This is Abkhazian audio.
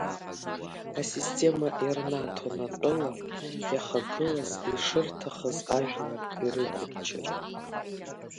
Асистема ирнаҭон атәыла иахагылаз ишырҭахыз ажәлар ирықәымчыр.